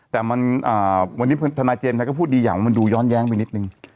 แต่วันนี้ทนายเจมส์ไทยก็พูดดีอย่างว่ามันดูย้อนแย้งไปนิดนึง